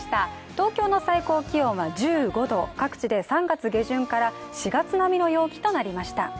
東京の最高気温は１５度、各地で３月下旬から４月並みの陽気となりました。